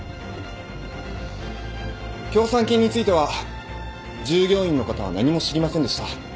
協賛金については従業員の方は何も知りませんでした。